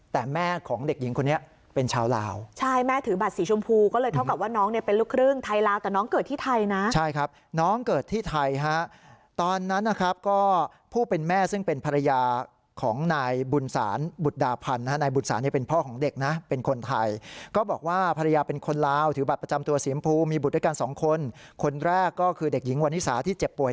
แต่แม่ของเด็กหญิงคนนี้เป็นชาวลาวใช่แม่ถือบัตรสีชมพูก็เลยเท่ากับว่าน้องเป็นลูกครึ่งไทยลาวแต่น้องเกิดที่ไทยนะใช่ครับน้องเกิดที่ไทยครับตอนนั้นนะครับก็ผู้เป็นแม่ซึ่งเป็นภรรยาของนายบุญสารบุตรดาพันธุ์นายบุญสารเป็นพ่อของเด็กนะเป็นคนไทยก็บอกว่าภรรยาเป็นคนลาวถือบัตรประจำต